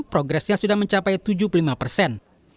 progresnya sudah mencapai tujuh puluh lima persen